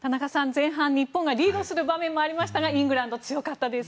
前半、日本がリードする場面もありましたがイングランド強かったです。